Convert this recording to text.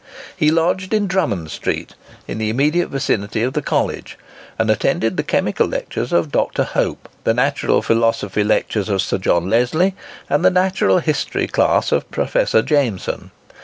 He lodged in Drummond Street, in the immediate vicinity of the college, and attended the Chemical Lectures of Dr. Hope, the Natural Philosophy Lectures of Sir John Leslie, and the Natural History Class of Professor Jameson.